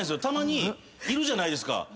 たまにいるじゃないですか。